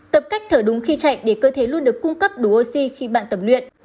tập cách thở đúng khi chạy để cơ thể luôn được cung cấp đủ oxy khi bạn tập luyện